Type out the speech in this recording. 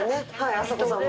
あさこさんも。